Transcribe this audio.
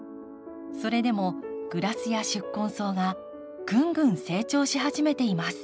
それでもグラスや宿根草がぐんぐん成長し始めています。